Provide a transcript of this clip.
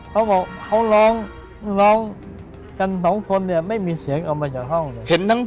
เขาบอกเขาร้องร้องกันสองคนเนี่ยไม่มีเสียงออกมาจากห้องเลย